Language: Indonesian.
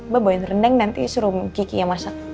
mbak bawain rendeng nanti suruh gigi yang masak